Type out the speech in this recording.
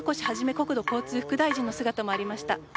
国土交通副大臣の姿もありました。